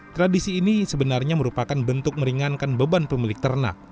tradisi ini sebenarnya merupakan bentuk meringankan beban pemilik ternak